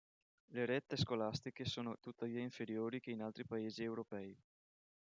Le rette scolastiche sono tuttavia inferiori che in altri paesi europei.